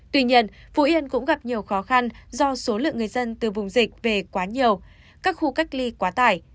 tuy nhiên phú yên cũng gặp nhiều khó khăn do số lượng người dân từ vùng dịch về quá nhiều các khu cách ly quá tải